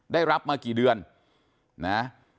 ได้รับมากี่เดือนนะ